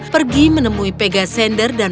pergi menemui pegasender dan